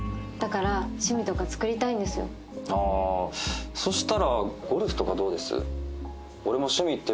ああそしたら。